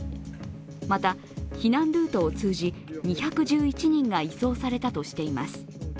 また、避難ルートを通じ２１１人が移送されたとしています。